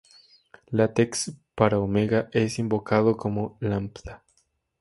LaTeX para Omega es invocado como "lambda".